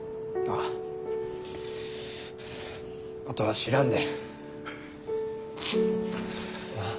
あとは知らんで。